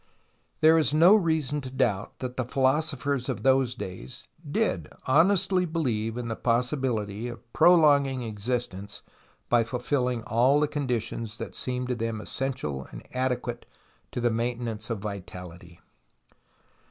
There is no reason to doubt that the philosophers of those days did honestly believe in the possi bility of prolonging existence by fulfilling all the conditions that seemed to them essential and adequate to the maintenance of vitality.